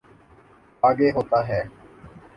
آگے ہوتا ہے۔